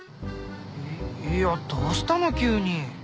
いやどうしたの急に？